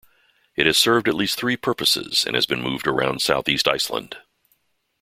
It has served at least three purposes and has been moved around southeast Iceland.